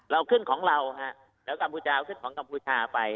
เราขึ้นของเราแล้วกัมพูชาเอาขึ้นของกัมพูชาไป